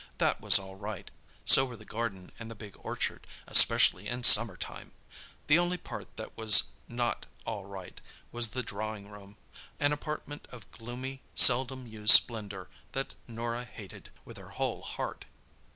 That was all right; so were the garden and the big orchard, especially in summer time! The only part that was not "all right" was the drawing room—an apartment of gloomy, seldom used splendour that Norah hated with her whole heart.